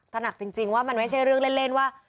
หนักจริงว่ามันไม่ใช่เรื่องเล่นว่า